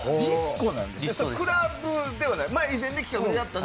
クラブではない？